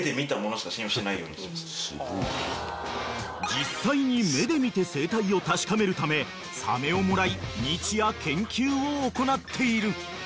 ［実際に目で見て生態を確かめるためサメをもらい日夜研究を行っている］